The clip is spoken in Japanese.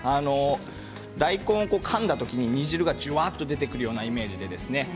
大根をかんだときに煮汁がじゅわっと出てくるようなイメージですね。